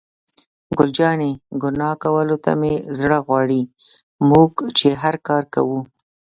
ګل جانې: ګناه کولو ته مې زړه غواړي، موږ چې هر کار کوو.